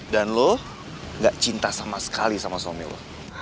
dan lo gak cinta sama sekali sama suami lo